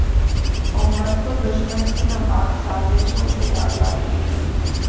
امت کو دشمن کی ناپاک سازشوں سے آگاہی